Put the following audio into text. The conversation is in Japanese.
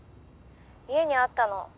家にあったの。